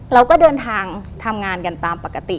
เราก็เดินทางทำงานกันตามปกติ